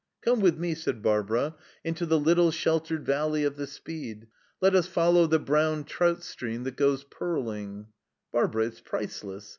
"'Come with me,'" said Barbara, "'into the little sheltered valley of the Speed; let us follow the brown trout stream that goes purling '" "Barbara, it's priceless.